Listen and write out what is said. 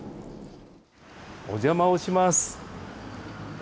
お邪魔をします。